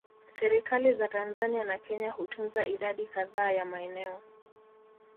Serikali za Tanzania na Kenya hutunza idadi kadhaa ya maeneo